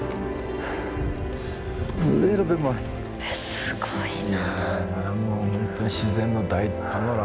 すごいな。